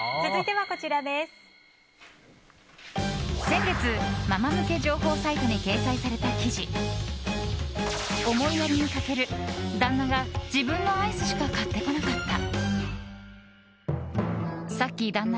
先月、ママ向け情報サイトに掲載された記事思いやりに欠ける旦那が自分のアイスしか買ってこなかった。